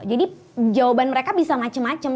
jadi jawaban mereka bisa macem macem